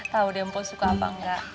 tau deh mpo suka apa enggak